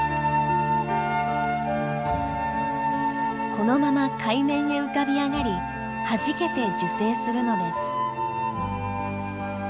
このまま海面へ浮かび上がりはじけて受精するのです。